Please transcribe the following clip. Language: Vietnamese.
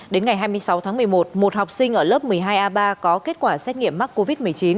đến ngày hai mươi sáu tháng một mươi một một học sinh ở lớp một mươi hai a ba có kết quả xét nghiệm mắc covid một mươi chín